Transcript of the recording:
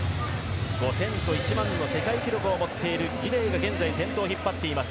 ５０００と１００００の世界記録を持っているギデイが現在先頭を引っ張っています。